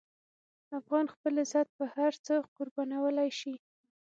افغان خپل عزت په هر څه قربانولی شي.